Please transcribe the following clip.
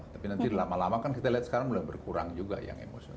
tapi nanti lama lama kan kita lihat sekarang sudah berkurang juga